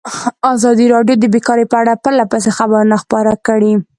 ازادي راډیو د بیکاري په اړه پرله پسې خبرونه خپاره کړي.